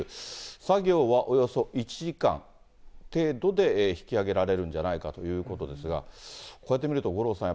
作業はおよそ１時間程度で引き揚げられるんじゃないかということですが、こうやって見ると五郎さん